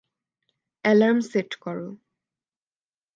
Alarm set করো।